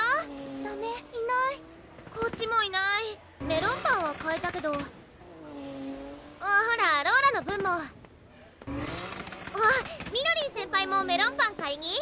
ダメいないこっちもいない「メロンパン」は買えたけどあっほらローラの分もあっみのりん先輩も「メロンパン」買いに？